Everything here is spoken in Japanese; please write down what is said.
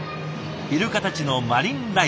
イルカたちのマリンライブ。